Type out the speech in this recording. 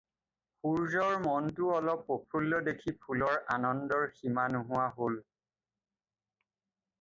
সূৰ্য্যৰ মনটো অলপ প্ৰফুল্ল দেখি ফুলৰ আনন্দৰ সীমা নোহোৱা হ'ল।